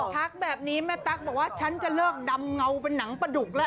ทักแบบนี้แม่ตั๊กบอกว่าฉันจะเลิกดำเงาเป็นหนังประดุกแล้ว